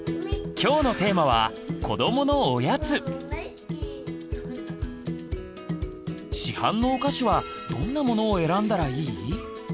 今日のテーマは子どもの市販のお菓子はどんなものを選んだらいい？